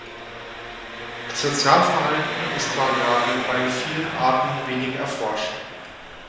Das Sozialverhalten ist variabel und bei vielen Arten wenig erforscht.